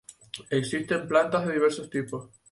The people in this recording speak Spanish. Existen plantas de diversos tipos